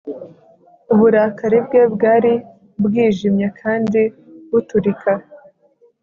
Uburakari bwe bwari bwijimye kandi buturika